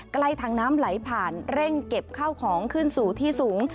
ใกล้ทางน้ำไหลผ่านเร่งเก็บข้าวของขึ้นสู่ที่สูง